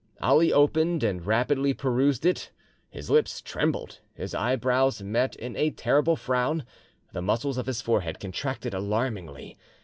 Ali opened and rapidly perused it; his lips trembled, his eyebrows met in a terrible frown, the muscles of his forehead contracted alarmingly.